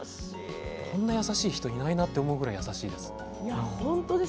こんな優しい人いないなと思うぐらい優しいです。